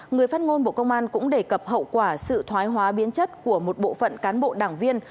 người phát ngôn bộ công an cũng đề cập hậu quả sự thoái hóa biến chất của một bộ phận cán bộ đảng viên